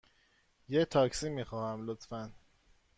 یه تاکسی می خواهم، لطفاً.